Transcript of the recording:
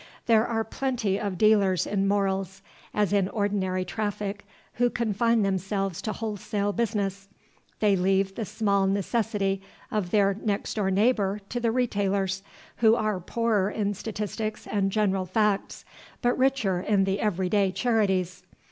There are plenty of dealer's in morals, as in ordinary traffic, who confine themselves to wholesale business. They leave the small necessity of their next door neighbor to the retailers, who are poorer in statistics and general facts, but richer in the every day charities.